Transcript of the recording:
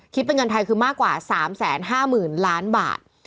คิดเป็นเงินไทยคือมากกว่า๓๕๐๐๐ล้านบาท